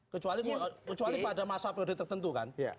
kecuali pada masa periode tertentu kan